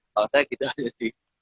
kalau saya gitu aja sih